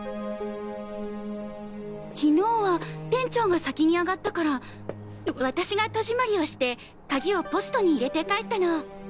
昨日は店長が先にあがったから私が戸締まりをしてカギをポストに入れて帰ったの。